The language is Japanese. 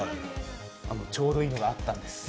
ちょうどいいのがあったんです。